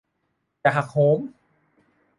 อย่าหักโหม